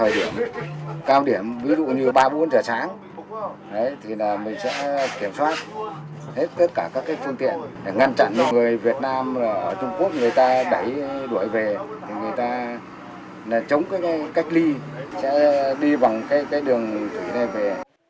đội về người ta là chống cách ly đi bằng đường về